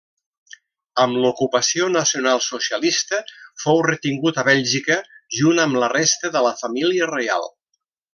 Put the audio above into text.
Amb l'ocupació nacionalsocialista fou retingut a Bèlgica junt amb la resta de la família reial.